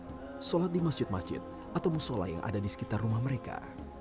dan berjamaah di masjid masjid atau musyola yang ada di sekitar rumah mereka